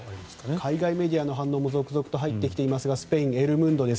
海外メディアの反応も続々と入ってきていますがスペイン、エル・ムンドです。